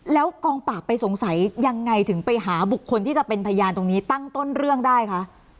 แล้วกองปราบไปสงสัยยังไงถึงไปหาบุคคลที่จะเป็นพยานตรงนี้ตั้งต้นเรื่องได้คะ